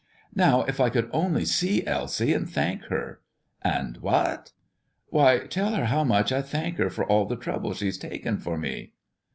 "Now, if I could only see Elsie, and thank her." "And what?" "Why, tell her how much I thank her for all the trouble she has taken for me."